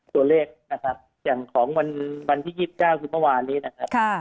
ตัวเลขนะครับอย่างของวันที่๒๙คือเมื่อวานนี้นะครับ